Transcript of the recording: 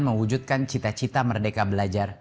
mewujudkan cita cita merdeka belajar